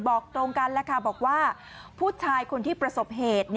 บอกตรงกันแล้วค่ะบอกว่าผู้ชายคนที่ประสบเหตุ